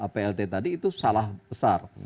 plt tadi itu salah besar